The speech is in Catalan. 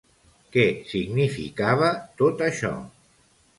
Què significava tot això?